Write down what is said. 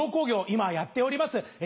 今やっております。